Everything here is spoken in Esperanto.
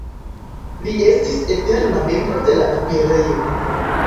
Li estis eterna membro de la Operejo.